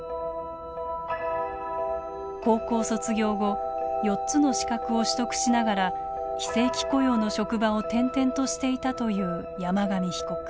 高校卒業後４つの資格を取得しながら非正規雇用の職場を転々としていたという山上被告。